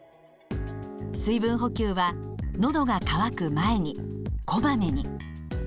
水分補給は「のどが渇く前に」「こまめに」。